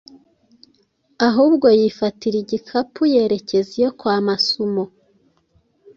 ahubwo yifatira igikapu yerekeza iyo kwa Masumo;